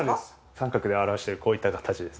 三角で表しているこういった形ですね。